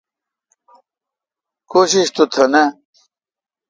کوشش تو تھ نا۔